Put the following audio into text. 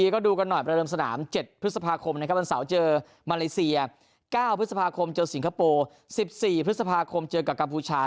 ก็ผมว่าทุกคนต้องช่วยเล่นกันมากกว่า